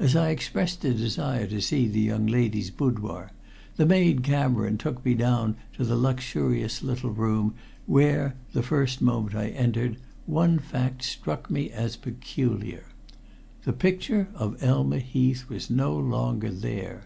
As I expressed a desire to see the young lady's boudoir, the maid Cameron took me down to the luxurious little room where, the first moment I entered, one fact struck me as peculiar. The picture of Elma Heath was no longer there.